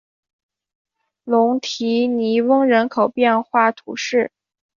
龙提尼翁人口变化图示